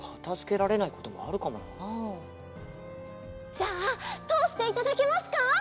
じゃあとおしていただけますか？